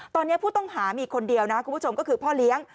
ตอนนี้ผู้ต้องหามีคนเดียวก็คือพ่อเลี้ยง